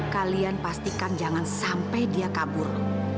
kalian pastikan jangan sampai dia kabur